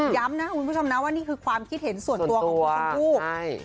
ย้ำนะคุณผู้ชมนะว่านี่คือความคิดเห็นส่วนตัวของคุณชมพู่